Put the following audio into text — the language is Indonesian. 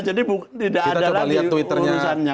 jadi tidak ada lagi urusannya